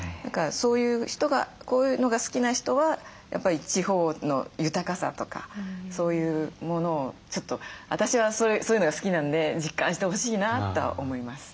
そういう人がこういうのが好きな人はやっぱり地方の豊かさとかそういうものをちょっと私はそういうのが好きなんで実感してほしいなとは思います。